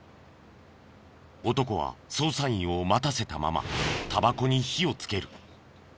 男は捜査員を待たせたままタバコに火をつける。